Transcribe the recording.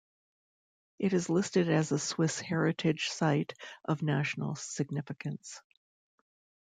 It is listed as a Swiss heritage site of national significance.